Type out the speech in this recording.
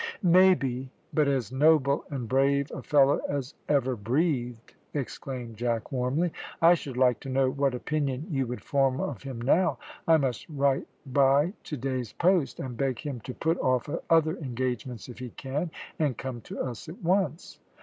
"Maybe, but as noble and brave a fellow as ever breathed!" exclaimed Jack warmly. "I should like to know what opinion you would form of him now. I must write by to day's post, and beg him to put off other engagements if he can, and come to us at once."